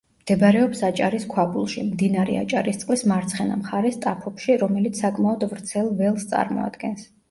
მდებარეობს აჭარის ქვაბულში, მდინარე აჭარისწყლის მარცხენა მხარეს ტაფობში, რომელიც საკმაოდ ვრცელ ველს წარმოადგენს.